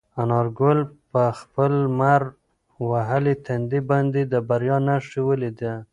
انارګل په خپل لمر وهلي تندي باندې د بریا نښه ولیده.